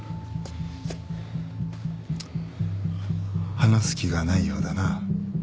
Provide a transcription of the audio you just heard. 話す気がないようだな？